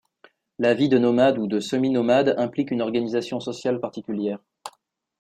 La vie de nomade ou de semi-nomade implique une orgnanisation sociale particulière.